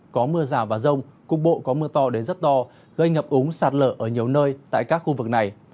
có mưa rào và rông cục bộ có mưa to đến rất to gây ngập úng sạt lở ở nhiều nơi tại các khu vực này